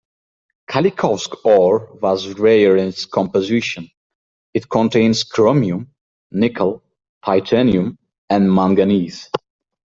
Khalilovsk ore was rare in its composition: it contains chromium, nickel, titanium, and manganese.